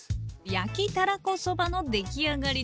焼きたらこそばのできあがりです。